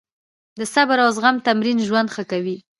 د صبر او زغم تمرین ژوند ښه کوي.